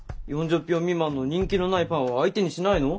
４０票未満の人気のないパンは相手にしないの？